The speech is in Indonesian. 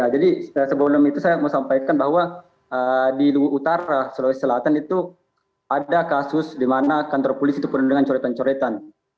jadi sebelum itu saya mau sampaikan bahwa di lugu utara sulawesi selatan itu ada kasus di mana kantor polisi itu berdiri dengan coretan coretan